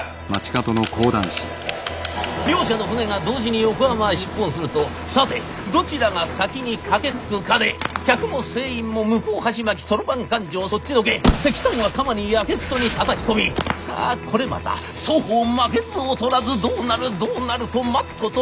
両社の船が同時に横浜を出帆するとさてどちらが先に駆けつくかで客も船員も向こう鉢巻き算盤勘定そっちのけ石炭は釜にやけくそにたたき込みさあこれまた双方負けず劣らずどうなるどうなると待つこと